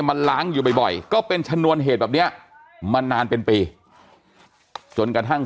มันล้างอยู่บ่อยก็เป็นชนวนเหตุแบบเนี้ยมานานเป็นปีจนกระทั่ง